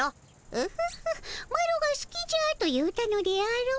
オホホマロがすきじゃと言うたのであろう？